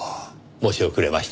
申し遅れました。